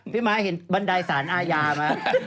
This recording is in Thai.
ม้าเห็นบันไดสารอาญาไหม